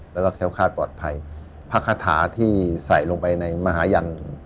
แล้วก็แค้วคาดปลอดภัยพระคาถาที่ใส่ลงไปในมหายัน